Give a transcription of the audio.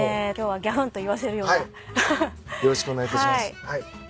はい。